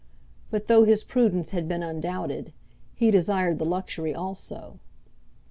But though his prudence had been undoubted, he desired the luxury also.